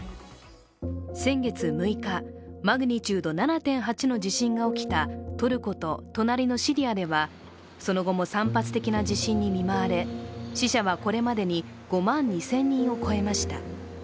先月６日、マグニチュード７．８の地震が起きたトルコと隣のシリアではその後も単発的な地震に見舞われ死者はこれまでに５万２０００人を超えました。